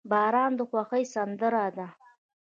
• باران د خوښۍ سندره ده.